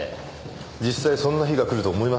実際そんな日がくると思いますか？